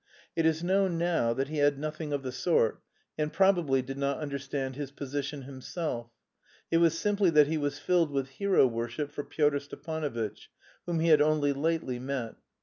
It is known now that he had nothing of the sort and probably did not understand his position himself. It was simply that he was filled with hero worship for Pyotr Stepanovitch, whom he had only lately met.